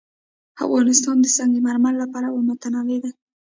افغانستان د سنگ مرمر له پلوه متنوع دی.